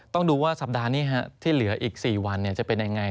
ต้องดูว่าสัปดาห์นี้ที่เหลืออีก๔วันจะเป็นยังไง